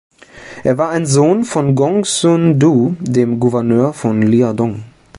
Er war ein Sohn von Gongsun Du, dem Gouverneur von Liaodong.